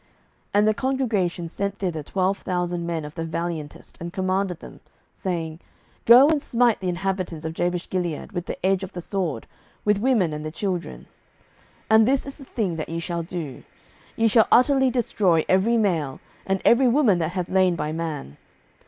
07:021:010 And the congregation sent thither twelve thousand men of the valiantest, and commanded them, saying, Go and smite the inhabitants of Jabeshgilead with the edge of the sword, with the women and the children. 07:021:011 And this is the thing that ye shall do, Ye shall utterly destroy every male, and every woman that hath lain by man.